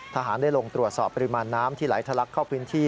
ทหารได้ลงตรวจสอบปริมาณน้ำที่ไหลทะลักเข้าพื้นที่